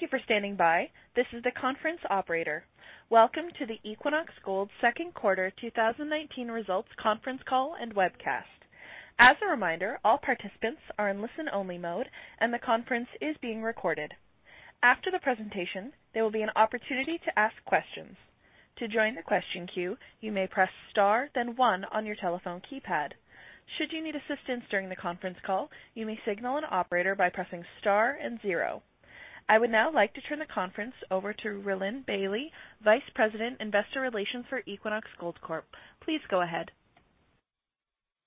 Thank you for standing by. This is the conference operator. Welcome to the Equinox Gold second quarter 2019 results conference call and webcast. As a reminder, all participants are in listen-only mode and the conference is being recorded. After the presentation, there will be an opportunity to ask questions. To join the question queue, you may press star then one on your telephone keypad. Should you need assistance during the conference call, you may signal an operator by pressing star and zero. I would now like to turn the conference over to Rhylin Bailie, Vice President, Investor Relations for Equinox Gold Corp. Please go ahead.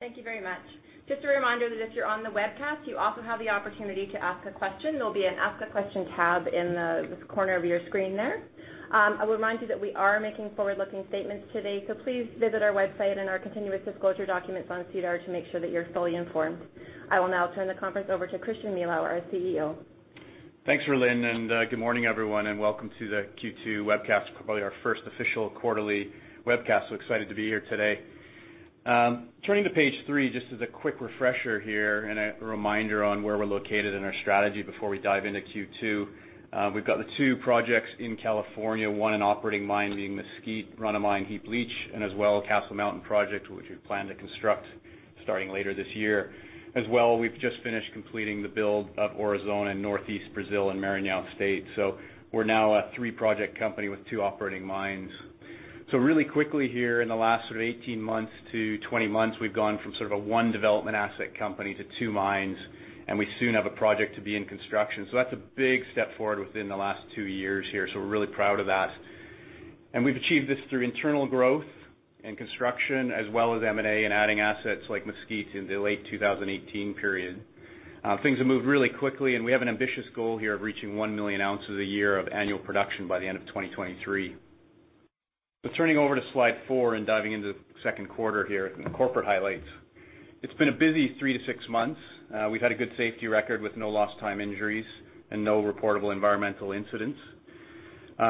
Thank you very much. Just a reminder that if you're on the webcast, you also have the opportunity to ask a question. There'll be an Ask a Question tab in the corner of your screen there. I'll remind you that we are making forward-looking statements today, so please visit our website and our continuous disclosure documents on SEDAR to make sure that you're fully informed. I will now turn the conference over to Christian Milau, our CEO. Thanks, Rhylin, and good morning everyone, welcome to the Q2 webcast, probably our first official quarterly webcast. Excited to be here today. Turning to page three, just as a quick refresher here and a reminder on where we're located and our strategy before we dive into Q2. We've got the two projects in California, one an operating mine being Mesquite, run-of-mine heap leach, and as well, Castle Mountain project, which we plan to construct starting later this year. As well, we've just finished completing the build of Aurizona in Northeast Brazil in Maranhão State. We're now a three-project company with two operating mines. Really quickly here, in the last sort of 18-20 months, we've gone from sort of a one development asset company to two mines, and we soon have a project to be in construction. That's a big step forward within the last two years here. We're really proud of that. We've achieved this through internal growth and construction as well as M&A and adding assets like Mesquite in the late 2018 period. Things have moved really quickly and we have an ambitious goal here of reaching 1 million ounces a year of annual production by the end of 2023. Turning over to slide four and diving into the second quarter here in the corporate highlights. It's been a busy three to six months. We've had a good safety record with no lost time injuries and no reportable environmental incidents.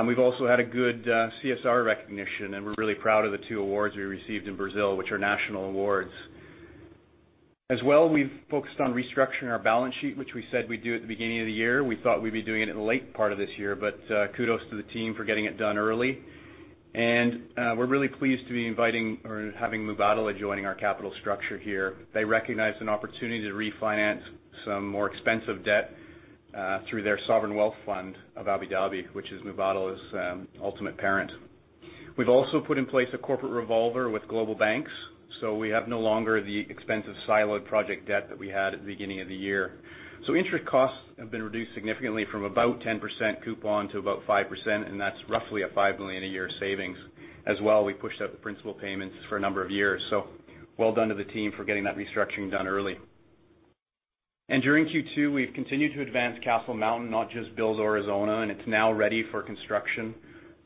We've also had a good CSR recognition, and we're really proud of the two awards we received in Brazil, which are national awards. We've focused on restructuring our balance sheet, which we said we'd do at the beginning of the year. We thought we'd be doing it in the late part of this year. Kudos to the team for getting it done early. We're really pleased to be inviting or having Mubadala joining our capital structure here. They recognized an opportunity to refinance some more expensive debt through their sovereign wealth fund of Abu Dhabi, which is Mubadala's ultimate parent. We've also put in place a corporate revolver with global banks. We have no longer the expensive siloed project debt that we had at the beginning of the year. Interest costs have been reduced significantly from about 10% coupon to about 5%. That's roughly a $5 million a year savings. We pushed out the principal payments for a number of years. Well done to the team for getting that restructuring done early. During Q2, we've continued to advance Castle Mountain, not just build Aurizona, and it's now ready for construction.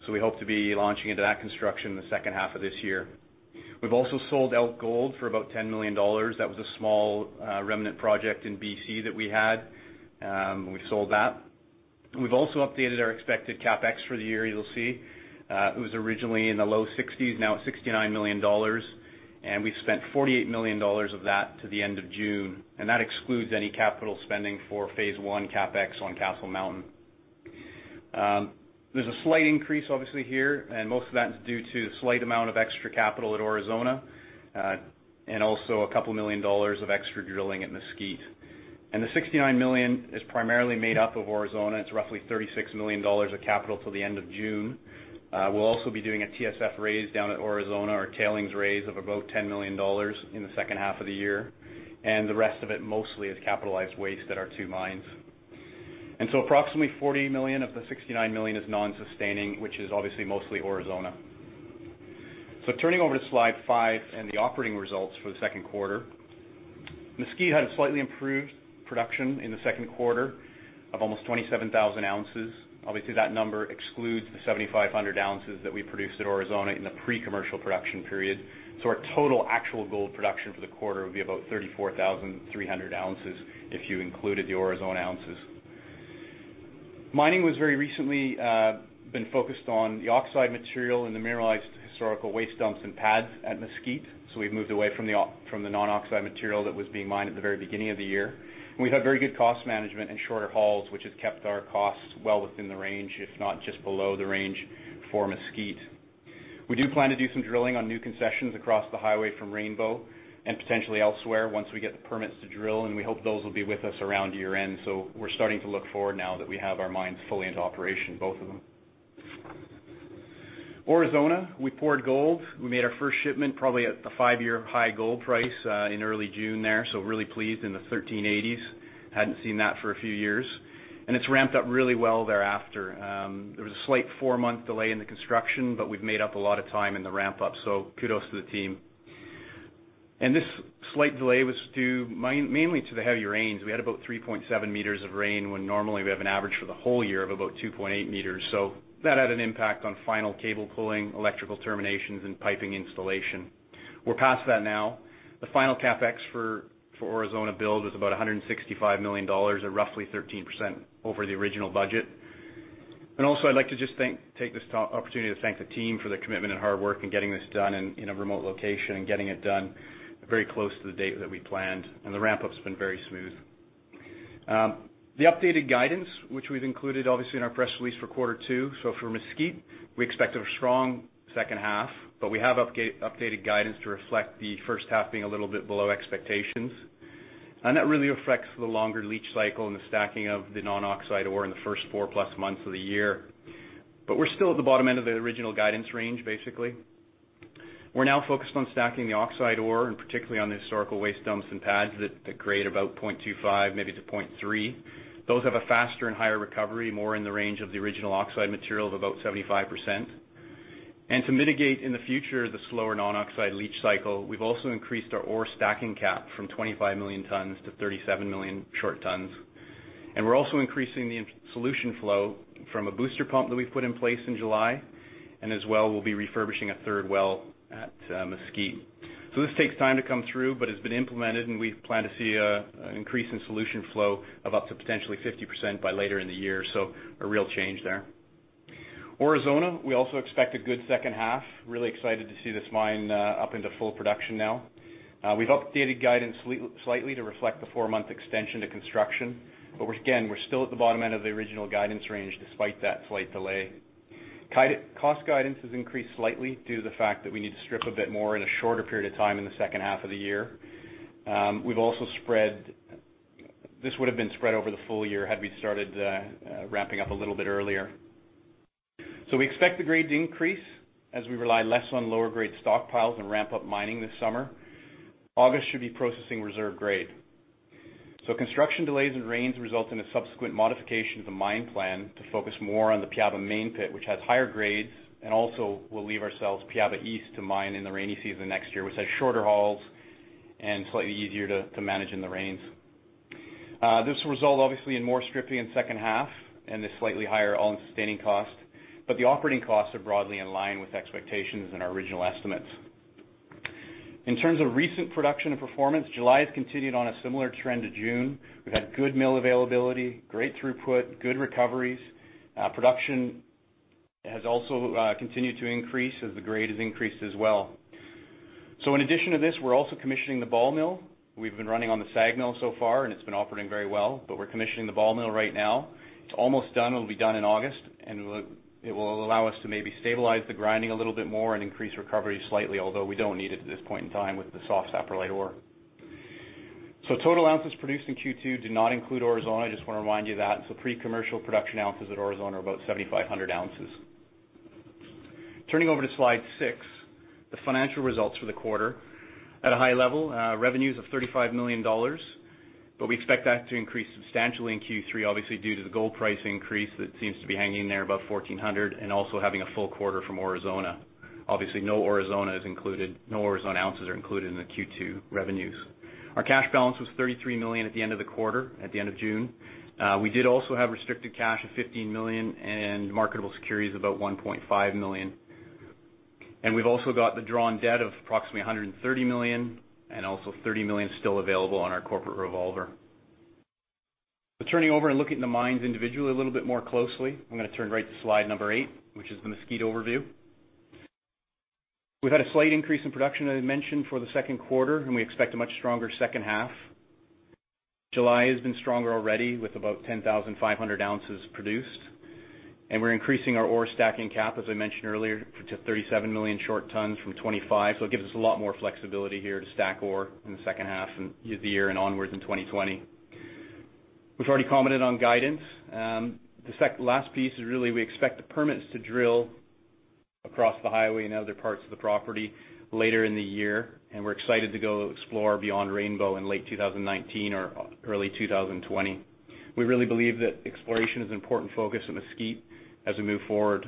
We hope to be launching into that construction in the second half of this year. We've also sold Elk Gold for about $10 million. That was a small remnant project in B.C. that we had. We sold that. We've also updated our expected CapEx for the year you'll see. It was originally in the low 60s, now at $69 million. We've spent $48 million of that to the end of June. That excludes any capital spending for phase 1 CapEx on Castle Mountain. There's a slight increase obviously here, and most of that is due to the slight amount of extra capital at Aurizona, and also $2 million of extra drilling at Mesquite. The $69 million is primarily made up of Aurizona. It's roughly $36 million of capital till the end of June. We'll also be doing a TSF raise down at Aurizona, our tailings raise of about $10 million in the second half of the year, and the rest of it mostly is capitalized waste at our two mines. Approximately $40 million of the $69 million is non-sustaining, which is obviously mostly Aurizona. Turning over to slide five and the operating results for the second quarter. Mesquite had a slightly improved production in the second quarter of almost 27,000 ounces. Obviously, that number excludes the 7,500 ounces that we produced at Aurizona in the pre-commercial production period. Our total actual gold production for the quarter would be about 34,300 ounces if you included the Aurizona ounces. Mining was very recently been focused on the oxide material and the mineralized historical waste dumps and pads at Mesquite. We have moved away from the non-oxide material that was being mined at the very beginning of the year. We have had very good cost management and shorter hauls, which has kept our costs well within the range, if not just below the range for Mesquite. We do plan to do some drilling on new concessions across the highway from Rainbow and potentially elsewhere once we get the permits to drill, and we hope those will be with us around year-end. We are starting to look forward now that we have our mines fully into operation, both of them. Aurizona, we poured gold. We made our first shipment probably at the five-year high gold price in early June there, really pleased in the $1,380s. It's ramped up really well thereafter. There was a slight four-month delay in the construction, but we've made up a lot of time in the ramp up, so kudos to the team. This slight delay was due mainly to the heavy rains. We had about 3.7 meters of rain when normally we have an average for the whole year of about 2.8 meters. That had an impact on final cable pulling, electrical terminations, and piping installation. We're past that now. The final CapEx for Aurizona build was about $165 million or roughly 13% over the original budget. Also, I'd like to just take this opportunity to thank the team for their commitment and hard work in getting this done in a remote location and getting it done very close to the date that we planned. The ramp-up's been very smooth. The updated guidance, which we've included, obviously, in our press release for quarter two. For Mesquite, we expect a strong second half, but we have updated guidance to reflect the first half being a little bit below expectations. That really affects the longer leach cycle and the stacking of the non-oxide ore in the first four plus months of the year. We're still at the bottom end of the original guidance range, basically. We're now focused on stacking the oxide ore and particularly on the historical waste dumps and pads that grade about 0.25-0.3. Those have a faster and higher recovery, more in the range of the original oxide material of about 75%. To mitigate, in the future, the slower non-oxide leach cycle, we've also increased our ore stacking cap from 25 million tonnes to 37 million short tonnes. We're also increasing the solution flow from a booster pump that we've put in place in July. As well, we'll be refurbishing a third well at Mesquite. This takes time to come through, but it's been implemented, and we plan to see an increase in solution flow of up to potentially 50% by later in the year. A real change there. Aurizona, we also expect a good second half. Really excited to see this mine up into full production now. We've updated guidance slightly to reflect the four-month extension to construction. Again, we're still at the bottom end of the original guidance range, despite that slight delay. Cost guidance has increased slightly due to the fact that we need to strip a bit more in a shorter period of time in the second half of the year. This would have been spread over the full year had we started ramping up a little bit earlier. We expect the grades to increase as we rely less on lower grade stockpiles and ramp up mining this summer. August should be processing reserve grade. Construction delays and rains result in a subsequent modification of the mine plan to focus more on the Piaba main pit, which has higher grades. Also, we'll leave ourselves Piaba East to mine in the rainy season next year, which has shorter hauls and slightly easier to manage in the rains. This will result, obviously, in more stripping in second half and a slightly higher all-in sustaining cost, but the operating costs are broadly in line with expectations in our original estimates. In terms of recent production and performance, July has continued on a similar trend to June. We've had good mill availability, great throughput, good recoveries. Production has also continued to increase as the grade has increased as well. In addition to this, we're also commissioning the ball mill. We've been running on the SAG mill so far, and it's been operating very well, but we're commissioning the ball mill right now. It's almost done. It'll be done in August, and it will allow us to maybe stabilize the grinding a little bit more and increase recovery slightly, although we don't need it at this point in time with the soft saprolite ore. Total ounces produced in Q2 do not include Aurizona. I just want to remind you of that. Pre-commercial production ounces at Aurizona are about 7,500 ounces. Turning over to slide six, the financial results for the quarter. At a high level, revenues of $35 million, but we expect that to increase substantially in Q3, obviously due to the gold price increase that seems to be hanging there above $1,400 and also having a full quarter from Aurizona. Obviously, no Aurizona ounces are included in the Q2 revenues. Our cash balance was $33 million at the end of the quarter, at the end of June. We did also have restricted cash of $15 million and marketable securities about $1.5 million. We've also got the drawn debt of approximately $130 million and also $30 million still available on our corporate revolver. Turning over and looking at the mines individually a little bit more closely. I'm going to turn right to slide number eight, which is the Mesquite overview. We've had a slight increase in production, as I mentioned, for the second quarter, and we expect a much stronger second half. July has been stronger already, with about 10,500 ounces produced. We're increasing our ore stacking cap, as I mentioned earlier, to 37 million short tonnes from 25. It gives us a lot more flexibility here to stack ore in the second half of the year and onwards in 2020. We've already commented on guidance. The last piece is really we expect the permits to drill across the highway and other parts of the property later in the year, and we're excited to go explore beyond Rainbow in late 2019 or early 2020. We really believe that exploration is an important focus at Mesquite as we move forward.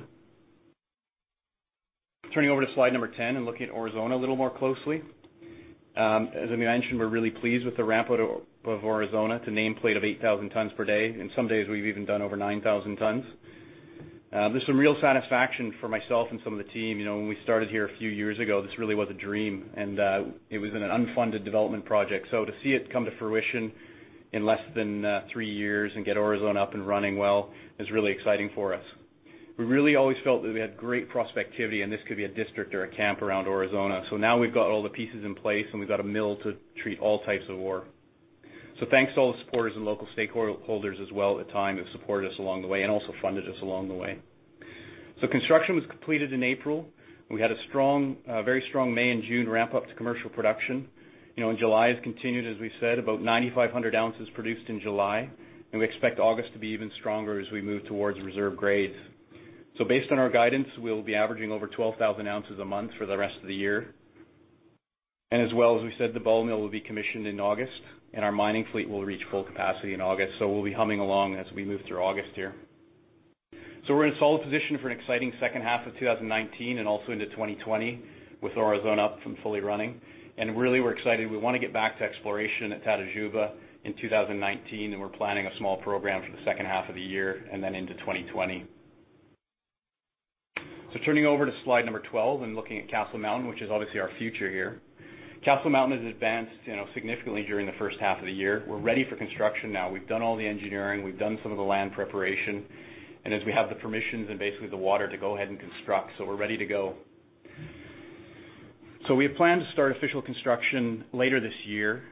Turning over to slide number 10 and looking at Aurizona a little more closely. As I mentioned, we're really pleased with the ramp up of Aurizona to nameplate of 8,000 tons per day. Some days we've even done over 9,000 tons. There's some real satisfaction for myself and some of the team. When we started here a few years ago, this really was a dream, and it was an unfunded development project. To see it come to fruition in less than three years and get Aurizona up and running well is really exciting for us. We really always felt that we had great prospectivity, and this could be a district or a camp around Aurizona. Now we've got all the pieces in place, and we've got a mill to treat all types of ore. Thanks to all the supporters and local stakeholders as well at the time who have supported us along the way and also funded us along the way. Construction was completed in April. We had a very strong May and June ramp-up to commercial production. July has continued, as we said, about 9,500 ounces produced in July, and we expect August to be even stronger as we move towards reserve grades. Based on our guidance, we'll be averaging over 12,000 ounces a month for the rest of the year. As well, as we said, the ball mill will be commissioned in August, and our mining fleet will reach full capacity in August. We'll be humming along as we move through August here. We're in a solid position for an exciting second half of 2019 and also into 2020 with Aurizona up from fully running. Really, we're excited. We want to get back to exploration at Tatajuba in 2019, and we're planning a small program for the second half of the year and then into 2020. Turning over to slide number 12 and looking at Castle Mountain, which is obviously our future here. Castle Mountain has advanced significantly during the first half of the year. We're ready for construction now. We've done all the engineering. We've done some of the land preparation, and as we have the permissions and basically the water to go ahead and construct, so we're ready to go. We have planned to start official construction later this year.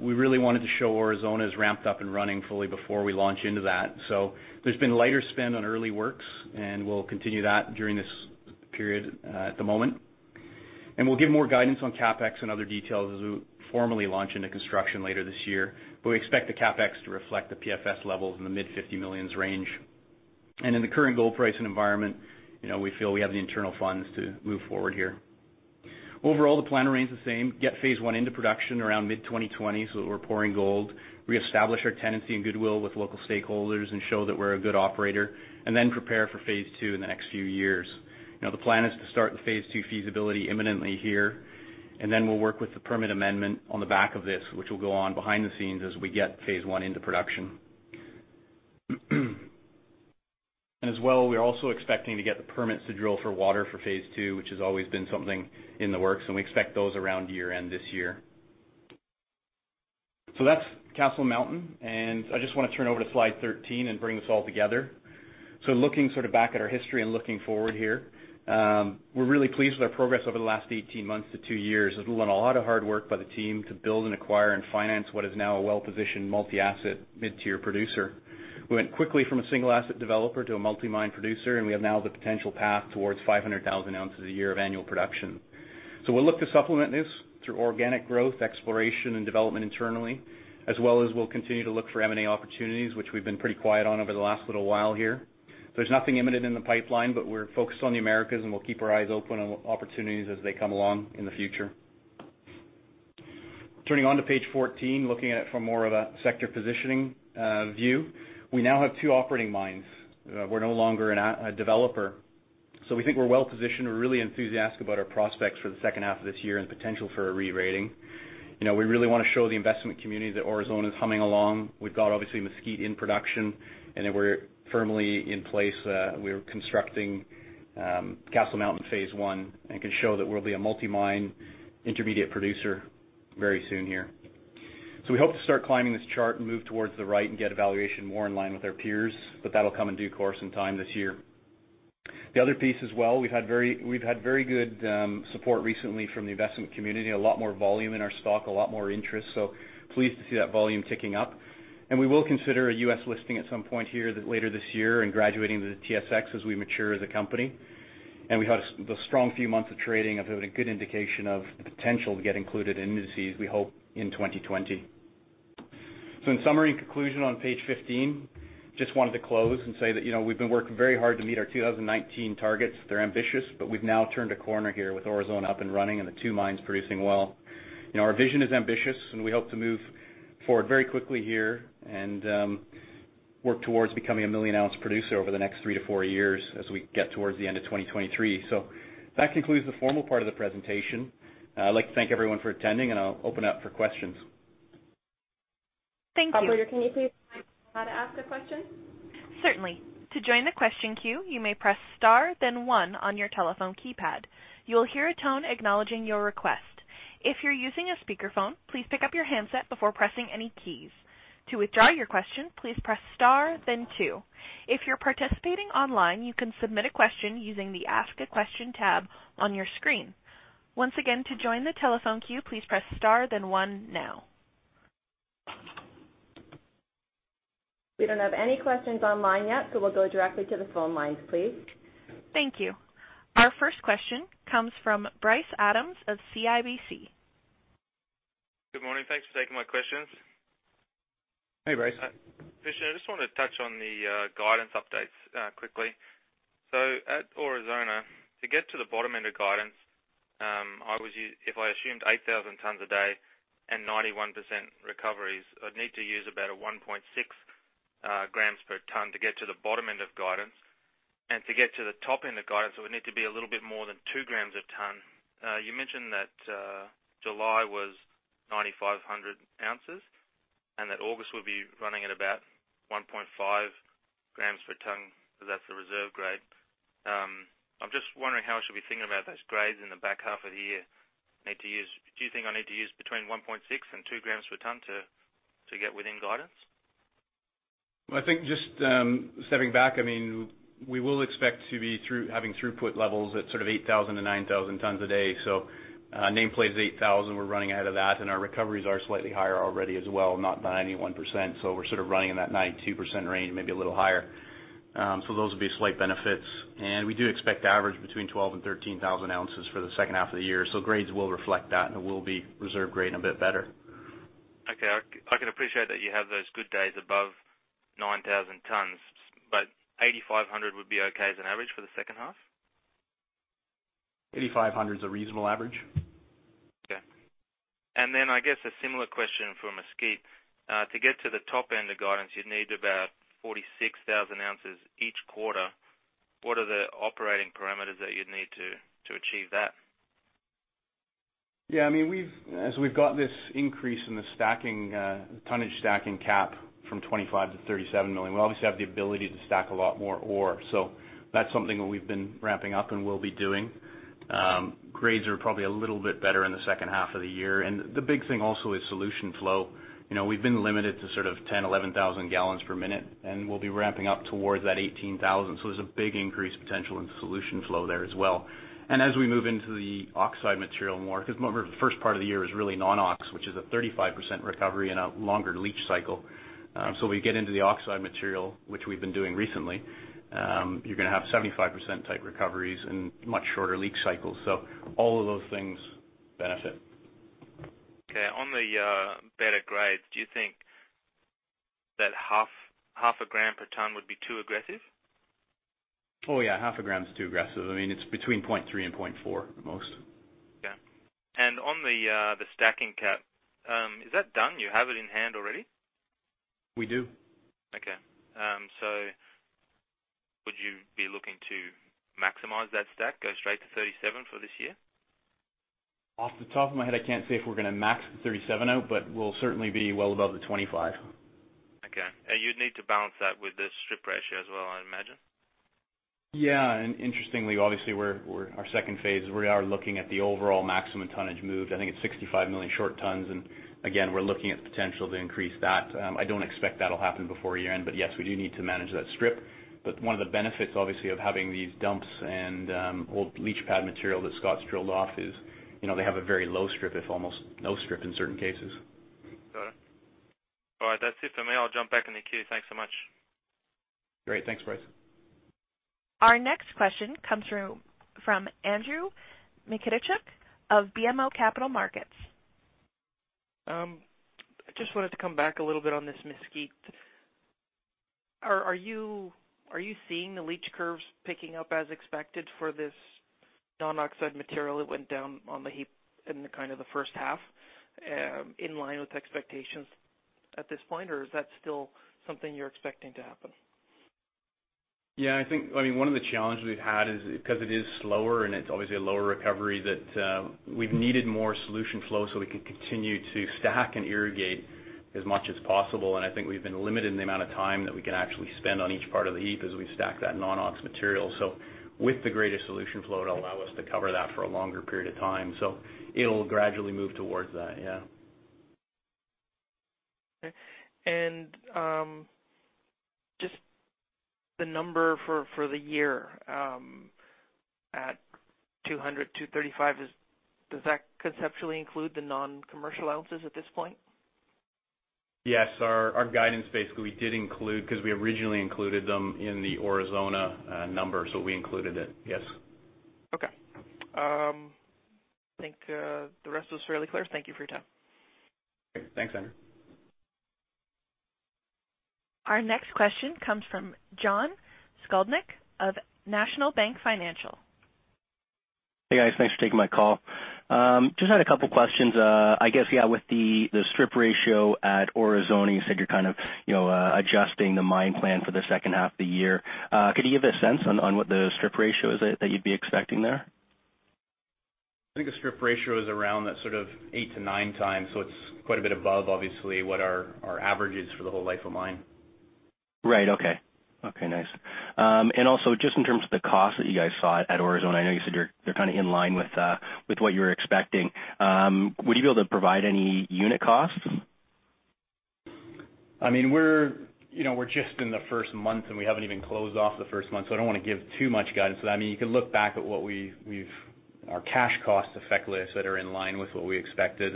We really wanted to show Aurizona is ramped up and running fully before we launch into that. There's been lighter spend on early works, and we'll continue that during this period at the moment. We'll give more guidance on CapEx and other details as we formally launch into construction later this year. We expect the CapEx to reflect the PFS levels in the mid $50 million range. In the current gold pricing environment, we feel we have the internal funds to move forward here. Overall, the plan remains the same, get phase 1 into production around mid 2020, so that we're pouring gold. Reestablish our tenancy and goodwill with local stakeholders and show that we're a good operator, and then prepare for phase 2 in the next few years. The plan is to start the phase two feasibility imminently here, and then we'll work with the permit amendment on the back of this, which will go on behind the scenes as we get phase one into production. As well, we are also expecting to get the permits to drill for water for phase two, which has always been something in the works, and we expect those around year-end this year. That's Castle Mountain, and I just want to turn over to slide 13 and bring this all together. Looking sort of back at our history and looking forward here, we're really pleased with our progress over the last 18 months to two years. There's been a lot of hard work by the team to build and acquire and finance what is now a well-positioned, multi-asset, mid-tier producer. We went quickly from a single asset developer to a multi-mine producer, and we have now the potential path towards 500,000 ounces a year of annual production. We'll look to supplement this through organic growth, exploration, and development internally, as well as we'll continue to look for M&A opportunities, which we've been pretty quiet on over the last little while here. There's nothing imminent in the pipeline, but we're focused on the Americas, and we'll keep our eyes open on opportunities as they come along in the future. Turning on to page 14, looking at it from more of a sector positioning view. We now have two operating mines. We're no longer a developer. We think we're well positioned. We're really enthusiastic about our prospects for the second half of this year and the potential for a re-rating. We really want to show the investment community that Aurizona is humming along. We've got obviously Mesquite in production, that we're firmly in place. We're constructing Castle Mountain phase 1 and can show that we'll be a multi-mine intermediate producer very soon here. We hope to start climbing this chart and move towards the right and get a valuation more in line with our peers, that'll come in due course in time this year. The other piece as well, we've had very good support recently from the investment community, a lot more volume in our stock, a lot more interest, pleased to see that volume ticking up. We will consider a U.S. listing at some point here later this year in graduating to the TSX as we mature as a company. We had the strong few months of trading, a good indication of the potential to get included in indices we hope in 2020. In summary and conclusion on page 15, just wanted to close and say that we've been working very hard to meet our 2019 targets. They're ambitious, but we've now turned a corner here with Aurizona up and running and the two mines producing well. Our vision is ambitious, and we hope to move forward very quickly here and work towards becoming a million-ounce producer over the next 3-4 years as we get towards the end of 2023. That concludes the formal part of the presentation. I'd like to thank everyone for attending, and I'll open up for questions. Thank you. Operator, can you please remind people how to ask a question? Certainly. To join the question queue, you may press star then one on your telephone keypad. You will hear a tone acknowledging your request. If you're using a speakerphone, please pick up your handset before pressing any keys. To withdraw your question, please press star then two. If you're participating online, you can submit a question using the Ask a Question tab on your screen. Once again, to join the telephone queue, please press star then one now. We don't have any questions online yet, so we'll go directly to the phone lines, please. Thank you. Our first question comes from Bryce Adams of CIBC. Good morning. Thanks for taking my questions. Hey, Bryce. Christian, I just wanted to touch on the guidance updates quickly. At Aurizona, to get to the bottom end of guidance, if I assumed 8,000 tons a day and 91% recoveries, I'd need to use about a 1.6 grams per ton to get to the bottom end of guidance. To get to the top end of guidance, it would need to be a little bit more than two grams a ton. You mentioned that July was 9,500 ounces and that August will be running at about 1.5 grams per ton, so that's the reserve grade. I'm just wondering how I should be thinking about those grades in the back half of the year. Do you think I need to use between 1.6 and two grams per ton to get within guidance? I think just stepping back, we will expect to be having throughput levels at sort of 8,000-9,000 tons a day. Nameplate is 8,000. We're running ahead of that, our recoveries are slightly higher already as well, not by 91%, we're sort of running in that 92% range, maybe a little higher. Those will be slight benefits. We do expect to average between 12,000 and 13,000 ounces for the second half of the year. Grades will reflect that, and it will be reserve grade and a bit better. Okay. I can appreciate that you have those good days above 9,000 tons, but 8,500 would be okay as an average for the second half? 8,500 is a reasonable average. Okay. I guess a similar question for Mesquite. To get to the top end of guidance, you'd need about 46,000 ounces each quarter. What are the operating parameters that you'd need to achieve that? Yeah, as we've got this increase in the tonnage stacking cap from 25 to 37 million, we obviously have the ability to stack a lot more ore. That's something that we've been ramping up and will be doing. Grades are probably a little bit better in the second half of the year. The big thing also is solution flow. We've been limited to sort of 10,000, 11,000 gallons per minute, and we'll be ramping up towards that 18,000. There's a big increase potential in solution flow there as well. As we move into the oxide material more, because remember the first part of the year is really non-ox, which is a 35% recovery and a longer leach cycle. We get into the oxide material, which we've been doing recently, you're going to have 75%-type recoveries and much shorter leach cycles. All of those things benefit. Okay. On the better grades, do you think that half a gram per tonne would be too aggressive? Oh yeah, half a gram is too aggressive. It's between 0.3 and 0.4 at the most. Okay. On the stacking CapEx, is that done? You have it in hand already? We do. Okay. Would you be looking to maximize that stack, go straight to 37 for this year? Off the top of my head, I can't say if we're going to max the 37 out, but we'll certainly be well above the 25. You'd need to balance that with the strip ratio as well, I imagine? Yeah. Interestingly, obviously our second phase, we are looking at the overall maximum tonnage moved. I think it's 65 million short tons, and again, we're looking at the potential to increase that. I don't expect that'll happen before year-end. Yes, we do need to manage that strip. One of the benefits, obviously, of having these dumps and old leach pad material that Scott's drilled off is, they have a very low strip, if almost no strip in certain cases. Got it. All right. That's it for me. I'll jump back in the queue. Thanks so much. Great. Thanks, Bryce. Our next question comes through from Andrew Mikitchook of BMO Capital Markets. I just wanted to come back a little bit on this Mesquite. Are you seeing the leach curves picking up as expected for this non-oxide material that went down on the heap in the first half, in line with expectations at this point, or is that still something you're expecting to happen? Yeah, I think, one of the challenges we've had is because it is slower and it's obviously a lower recovery, that we've needed more solution flow so we can continue to stack and irrigate as much as possible. I think we've been limited in the amount of time that we can actually spend on each part of the heap as we stack that non-ox material. With the greater solution flow, it'll allow us to cover that for a longer period of time. It'll gradually move towards that, yeah. Okay. Just the number for the year, at 200, 235, does that conceptually include the non-commercial ounces at this point? Yes. Our guidance basically, we did include, because we originally included them in the Aurizona numbers, so we included it, yes. Okay. I think the rest was fairly clear. Thank you for your time. Great. Thanks, Andrew. Our next question comes from Shane Nagle of National Bank Financial. Hey, guys. Thanks for taking my call. Just had a couple questions. I guess, yeah, with the strip ratio at Aurizona, you said you're kind of adjusting the mine plan for the second half of the year. Could you give a sense on what the strip ratio is that you'd be expecting there? I think the strip ratio is around that sort of eight to nine times. It's quite a bit above, obviously, what our average is for the whole life of mine. Right. Okay. Okay, nice. Also, just in terms of the cost that you guys saw at Aurizona, I know you said you're kind of in line with what you were expecting. Would you be able to provide any unit costs? We're just in the first month, and we haven't even closed off the first month, so I don't want to give too much guidance. You can look back at our cash costs, effectively, that are in line with what we expected.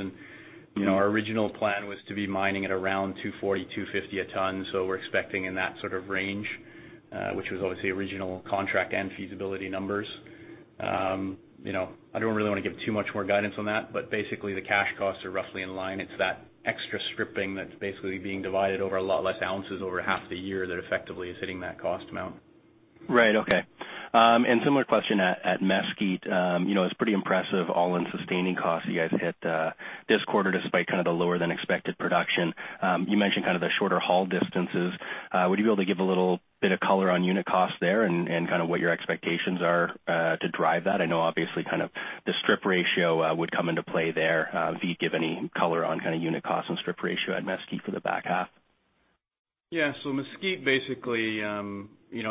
Our original plan was to be mining at around $240, $250 a tonne. We're expecting in that sort of range, which was obviously original contract and feasibility numbers. I don't really want to give too much more guidance on that, but basically the cash costs are roughly in line. It's that extra stripping that's basically being divided over a lot less ounces over half the year that effectively is hitting that cost amount. Right. Okay. Similar question at Mesquite. It's pretty impressive, all-in sustaining costs you guys hit this quarter, despite the lower than expected production. You mentioned the shorter haul distances. Would you be able to give a little bit of color on unit cost there and what your expectations are to drive that? I know obviously the strip ratio would come into play there. If you'd give any color on unit cost and strip ratio at Mesquite for the back half. Yeah. Mesquite basically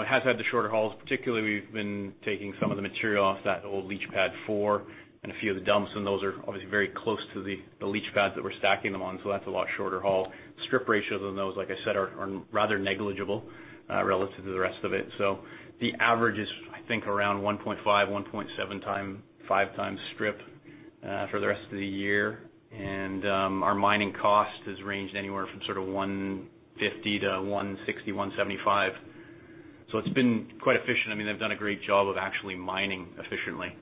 has had the shorter hauls. Particularly, we've been taking some of the material off that old leach pad 4 and a few of the dumps, and those are obviously very close to the leach pads that we're stacking them on. That's a lot shorter haul. Strip ratios on those, like I said, are rather negligible relative to the rest of it. The average is, I think, around 1.5, 1.7 times, five times strip for the rest of the year. Our mining cost has ranged anywhere from sort of $150 to $160, $175. It's been quite efficient. They've done a great job of actually mining efficiently.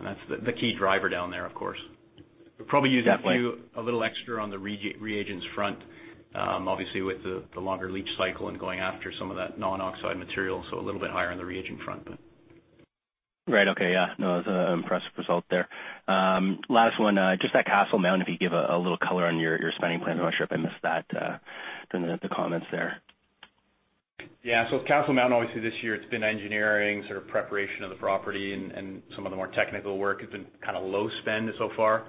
That's the key driver down there, of course. Definitely. We're probably using a few, a little extra on the reagents front, obviously with the longer leach cycle and going after some of that non-oxide material, so a little bit higher on the reagent front. Right. Okay. Yeah. No, that was an impressive result there. Last one, just at Castle Mountain, if you'd give a little color on your spending plans. I'm not sure if I missed that during the comments there. Castle Mountain, obviously this year it's been engineering, sort of preparation of the property and some of the more technical work. It's been low spend so far.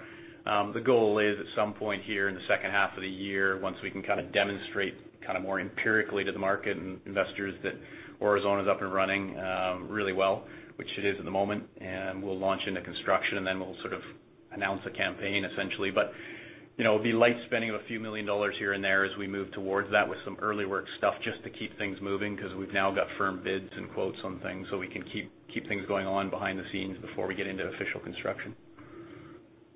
The goal is at some point here in the second half of the year, once we can demonstrate more empirically to the market and investors that Aurizona's up and running really well, which it is at the moment, and we'll launch into construction, and then we'll announce a campaign essentially. It'll be light spending of a few million dollars here and there as we move towards that with some early work stuff just to keep things moving, because we've now got firm bids and quotes on things so we can keep things going on behind the scenes before we get into official construction.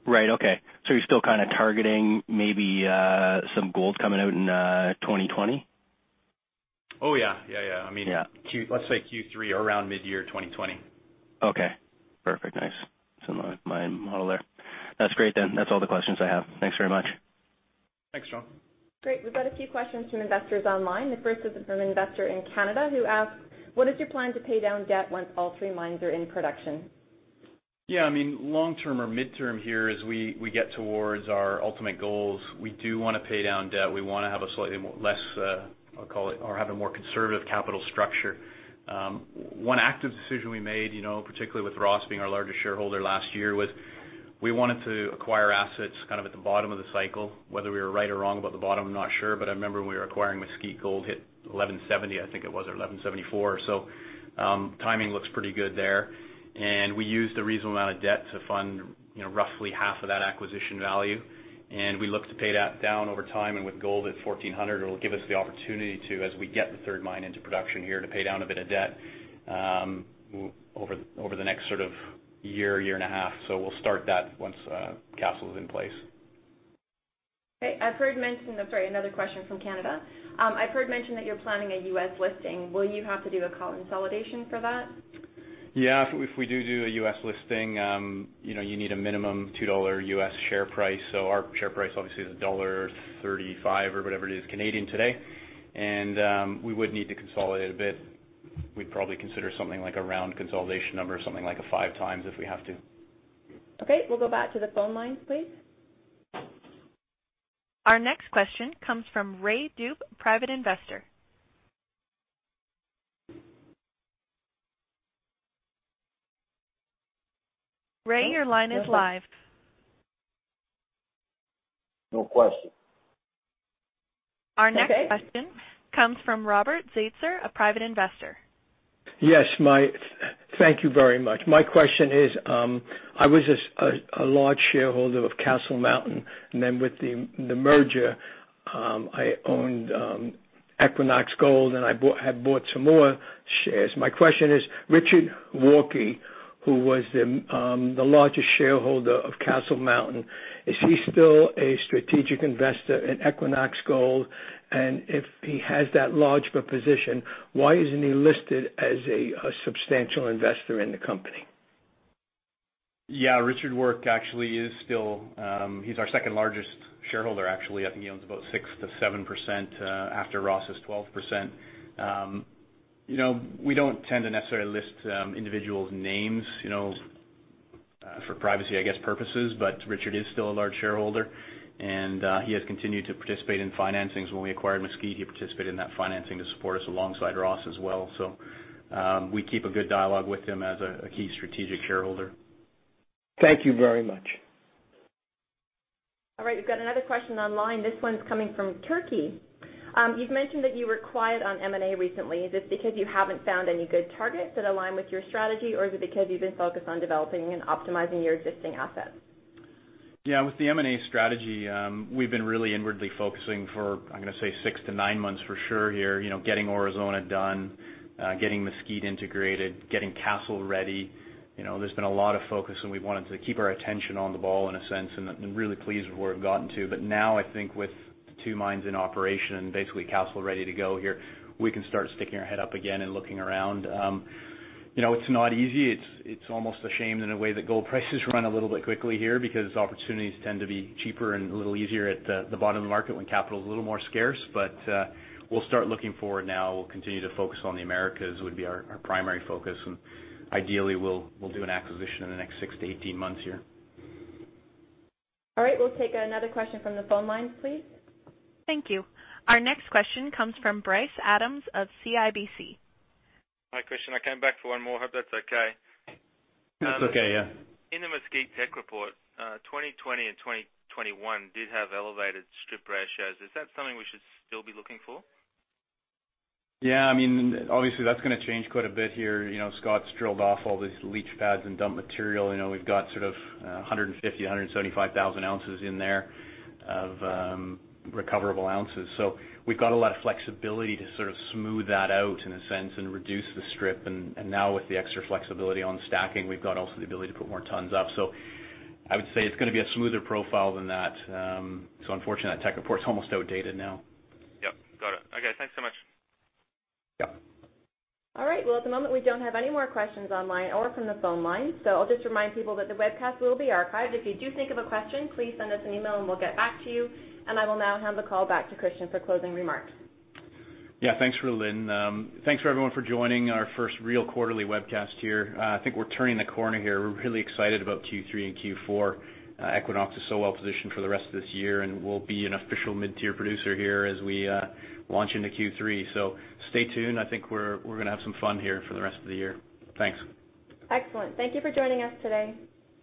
Right. Okay. You're still kind of targeting maybe some gold coming out in 2020? Oh, yeah. Yeah. Let's say Q3 or around mid-year 2020. Okay. Perfect. Nice. It's in my model there. That's great then. That's all the questions I have. Thanks very much. Thanks, Shane. Great. We've got a few questions from investors online. The first is from an investor in Canada who asks, what is your plan to pay down debt once all three mines are in production? Long term or midterm here, as we get towards our ultimate goals, we do want to pay down debt. We want to have a slightly more conservative capital structure. One active decision we made, particularly with Ross being our largest shareholder last year, was we wanted to acquire assets at the bottom of the cycle. Whether we were right or wrong about the bottom, I'm not sure, but I remember when we were acquiring Mesquite Gold hit $1,170, I think it was, or $1,174. Timing looks pretty good there. We used a reasonable amount of debt to fund roughly half of that acquisition value. We look to pay that down over time. With gold at $1,400, it'll give us the opportunity to, as we get the third mine into production here, to pay down a bit of debt over the next year and a half. We'll start that once Castle is in place. I'm sorry, another question from Canada. I've heard mention that you're planning a U.S. listing. Will you have to do a consolidation for that? Yeah. If we do a U.S. listing, you need a minimum $2 U.S. share price. Our share price obviously is dollar 1.35 or whatever it is Canadian today. We would need to consolidate a bit. We'd probably consider something like a round consolidation number, something like a five times if we have to. Okay. We'll go back to the phone lines, please. Our next question comes from [Ray Doop], Private Investor. Ray, your line is live. No question. Our next question comes from Robert Zeitzer, a private investor. Yes, thank you very much. My question is, I was a large shareholder of Castle Mountain, and then with the merger, I owned Equinox Gold, and I had bought some more shares. My question is, Richard Warke, who was the largest shareholder of Castle Mountain, is he still a strategic investor in Equinox Gold? If he has that large of a position, why isn't he listed as a substantial investor in the company? Yeah, Richard Warke actually is still, he's our second largest shareholder, actually. I think he owns about 6%-7% after Ross's 12%. We don't tend to necessarily list individuals' names for privacy, I guess, purposes. Richard is still a large shareholder, and he has continued to participate in financings. When we acquired Mesquite, he participated in that financing to support us alongside Ross as well. We keep a good dialogue with him as a key strategic shareholder. Thank you very much. All right. We've got another question online. This one's coming from Turkey. You've mentioned that you were quiet on M&A recently. Is this because you haven't found any good targets that align with your strategy, or is it because you've been focused on developing and optimizing your existing assets? Yeah. With the M&A strategy, we've been really inwardly focusing for, I'm going to say six to nine months for sure here, getting Aurizona done, getting Mesquite integrated, getting Castle ready. There's been a lot of focus and we've wanted to keep our attention on the ball, in a sense, and really pleased with where we've gotten to. Now I think with the two mines in operation and basically Castle ready to go here, we can start sticking our head up again and looking around. It's not easy. It's almost a shame in a way that gold prices run a little bit quickly here because opportunities tend to be cheaper and a little easier at the bottom of the market when capital is a little more scarce. We'll start looking forward now. We'll continue to focus on the Americas, would be our primary focus, and ideally, we'll do an acquisition in the next 6-18 months here. All right. We will take another question from the phone lines, please. Thank you. Our next question comes from Bryce Adams of CIBC. Hi, Christian. I came back for one more. Hope that's okay? That's okay, yeah. In the Mesquite tech report, 2020 and 2021 did have elevated strip ratios. Is that something we should still be looking for? Yeah. Obviously, that's going to change quite a bit here. Scott's drilled off all these leach pads and dump material. We've got sort of 150,000, 175,000 ounces in there of recoverable ounces. We've got a lot of flexibility to sort of smooth that out in a sense and reduce the strip. Now with the extra flexibility on stacking, we've got also the ability to put more tons up. I would say it's going to be a smoother profile than that. Unfortunately, that tech report's almost outdated now. Yep, got it. Okay, thanks so much. Yep. All right. Well, at the moment, we don't have any more questions online or from the phone lines, I'll just remind people that the webcast will be archived. If you do think of a question, please send us an email and we'll get back to you. I will now hand the call back to Christian for closing remarks. Yeah. Thanks, Rhylin. Thanks everyone for joining our first real quarterly webcast here. I think we're turning the corner here. We're really excited about Q3 and Q4. Equinox Gold is so well positioned for the rest of this year, and we'll be an official mid-tier producer here as we launch into Q3. Stay tuned. I think we're going to have some fun here for the rest of the year. Thanks. Excellent. Thank you for joining us today.